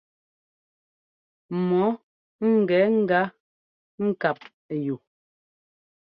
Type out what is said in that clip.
Mɔ ńgɛ gá ŋ́kap yu.